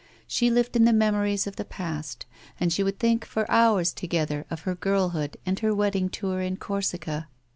She lived in the memories of the past, and she would think for hours together of her girlhood and her wed ding tour in Corsica.